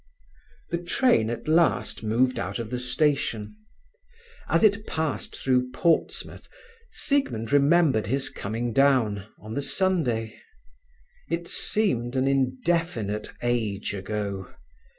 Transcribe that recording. The train at last moved out of the station. As it passed through Portsmouth, Siegmund remembered his coming down, on the Sunday. It seemed an indefinite age ago.